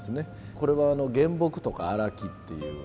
これは原木とか荒木っていう。